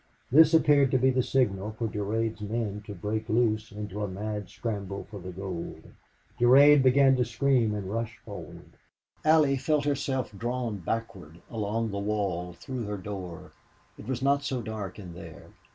This appeared to be the signal for Durade's men to break loose into a mad scramble for the gold. Durade began to scream and rush forward. Allie felt herself drawn backward, along the wall, through her door. It was not so dark in there.